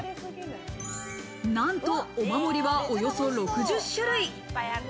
なんとお守りはおよそ６０種類。